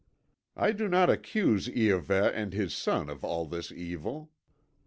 I do not accuse Iahveh and his son of all this evil.